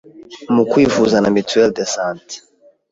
mu kwivuza na Mituelle de Sante’.